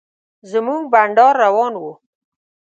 زموږ بنډار روان و.